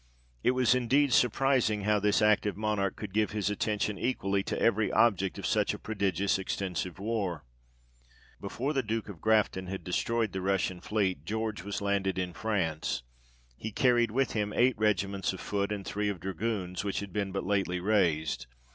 It was indeed surprising how this active Monarch could give his attention equally to every object of such a prodigious extensive war. Before the Duke of Grafton had destroyed the Russian fleet, George was landed in France ; He carried with him eight regiments of foot, and three of dragoons, who had been but lately raised.